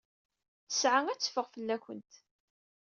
Ttesɛa ad teffeɣ fell-awent.